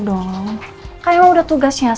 dong kayaknya udah tugasnya